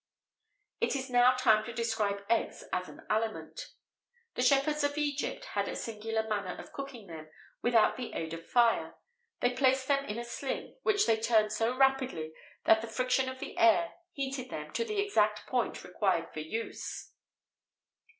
It is now time to describe eggs as an aliment. The shepherds of Egypt had a singular manner of cooking them without the aid of fire: they placed them in a sling, which they turned so rapidly that the friction of the air heated them to the exact point required for use.